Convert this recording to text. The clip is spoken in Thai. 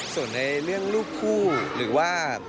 ส่วนในเรื่องรูปคู่หรือว่า